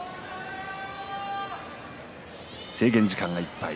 制限時間がいっぱい。